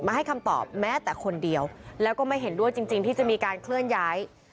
ให้คำตอบแม้แต่คนเดียวแล้วก็ไม่เห็นด้วยจริงที่จะมีการเคลื่อนย้าย